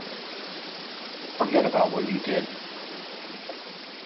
Forget about what you did.